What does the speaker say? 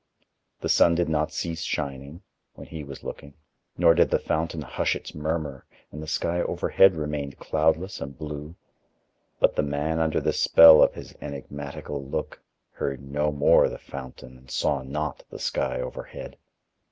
The sun did not cease shining, when he was looking, nor did the fountain hush its murmur, and the sky overhead remained cloudless and blue. But the man under the spell of his enigmatical look heard no more the fountain and saw not the sky overhead.